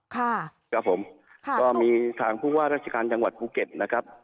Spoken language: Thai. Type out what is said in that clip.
ค่ะครับผมค่ะก็มีทางผู้ว่าราชการจังหวัดภูเก็ตนะครับ